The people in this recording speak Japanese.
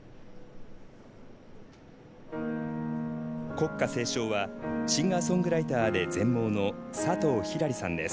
国歌斉唱はシンガーソングライターで全盲の佐藤ひらりさんです。